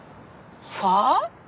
はあ？